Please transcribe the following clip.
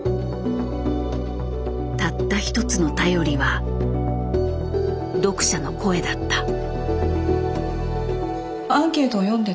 たった一つの頼りは読者の声だった。